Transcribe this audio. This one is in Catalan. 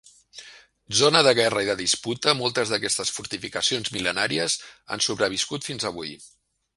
Zona de guerra i de disputa, moltes d'aquestes fortificacions mil·lenàries han sobreviscut fins avui.